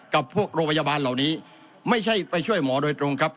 กับพวกโรงพยาบาลเหล่านี้ไม่ใช่ไปช่วยหมอโดยตรงครับ